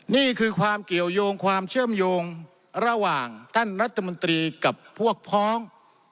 นี่คือความเกี่ยวยงความเชื่อมโยงระหว่างท่านรัฐมนตรีกับพวกพ้อง